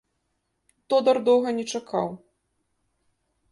Тодар доўга не чакаў.